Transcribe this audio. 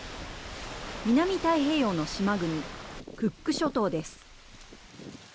南太平洋の島国、クック諸島です。